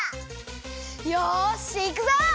よしいくぞ！